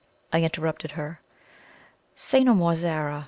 I interrupted her. "Say no more, Zara!"